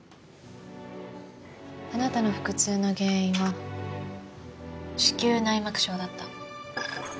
あなたの腹痛の原因は子宮内膜症だった。